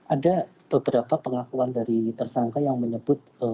ada beberapa pengakuan dari tersangka yang menyebut